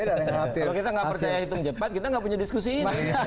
kalau kita nggak percaya hitung cepat kita nggak punya diskusi ini